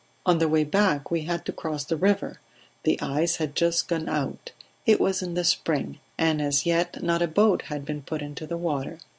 On the way back we had to cross the river; the ice had just gone out it was in the spring and as yet not a boat had been put into the water.